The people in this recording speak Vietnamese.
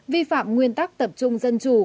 vi phạm nguyên tắc tập trung dân chủ